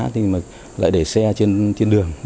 thì lại để xe trên đường